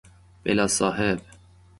بلاصاحب